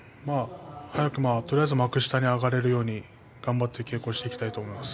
早くとりあえず幕下に上がることができるように頑張って稽古をしていきたいと思います。